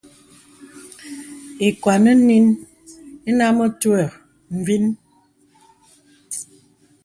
Ìkwàn nīn inə ā mə̀twə̂ vìn.